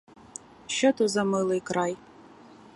Що то за милий край!